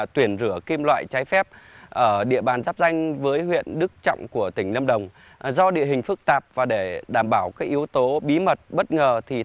trên địa bàn xã phan sơn huyện bắc bình